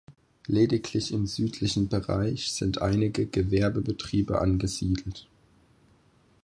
Lediglich im südlichen Bereich sind einige Gewerbebetriebe angesiedelt.